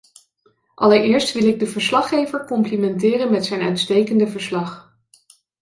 Allereerst wil ik de verslaggever complimenteren met zijn uitstekende verslag.